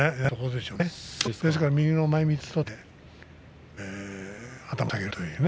ですから右の前みつを取って頭を下げるというね。